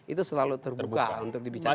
itu selalu terbuka untuk dibicarakan